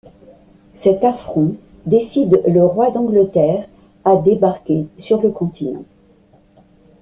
Cet affront décide le roi d'Angleterre à débarquer sur le continent.